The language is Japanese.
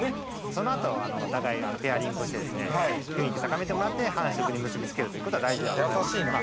◆そのあとはお互いペアリングをして雰囲気を高めてもらって繁殖に結びつけるということは大事なので。